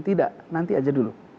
tidak nanti aja dulu